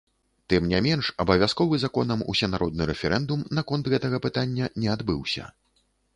Тым не менш, абавязковы законам усенародны рэферэндум наконт гэтага пытання не адбыўся.